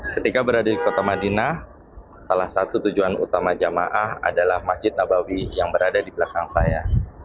ketika berada di kota madinah salah satu tujuan utama jamaah adalah masjid nabawi yang berada di belakang saya